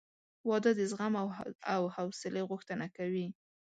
• واده د زغم او حوصلې غوښتنه کوي.